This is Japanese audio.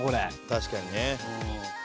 確かにね。